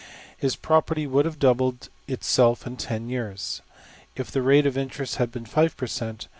His property will have doubled itself in $10$~years. If the rate of interest had been $5$~per cent.